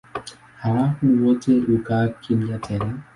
Halafu wote hukaa kimya tena.